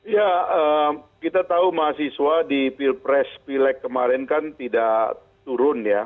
ya kita tahu mahasiswa di pilpres pilek kemarin kan tidak turun ya